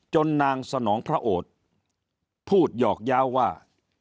จนนางสนองพระอดธิ์พูดหยอกย้าวว่า